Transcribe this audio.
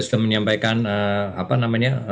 sudah menyampaikan apa namanya